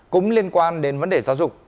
cũng liên quan đến vấn đề giáo dục